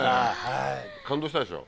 感動したでしょ？